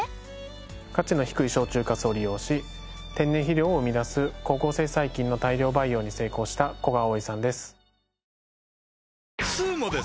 価値の低い焼酎粕を利用し天然肥料を生み出す光合成細菌の大量培養に成功した古賀碧さんです。